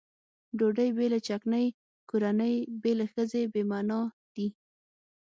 ډوډۍ بې له چکنۍ کورنۍ بې له ښځې بې معنا دي.